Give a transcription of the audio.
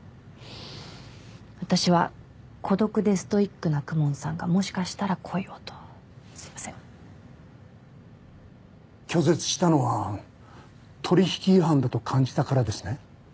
私は孤独でストイックな公文さんがもしかしたら恋をとすいません拒絶したのは取引違反だと感じたからですね